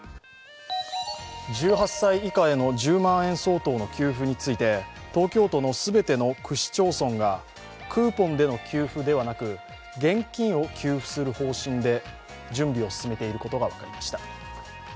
１８歳以下への１０万円相当の給付について東京都の全ての区市町村がクーポンでの給付ではなく現金を給付する方針で準備を進めていることが分かりました。